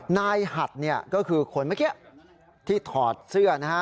นายหัดก็คือคนเมื่อกี้ที่ถอดเสื้อนะฮะ